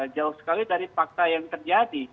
jauh sekali dari fakta yang terjadi